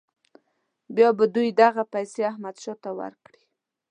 بیا به دوی دغه پیسې احمدشاه ته ورکړي.